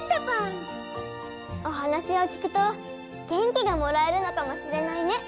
おはなしを聞くと元気がもらえるのかもしれないね。